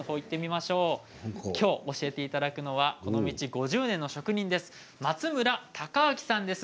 きょう教えていただくのはこの道５０年の職人松村享明さんです。